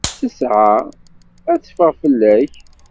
Ttesɛa ad teffeɣ fell-ak.